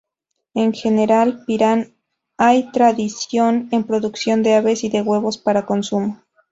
En General Pirán, hay tradición en producción de aves y de huevos para consumo.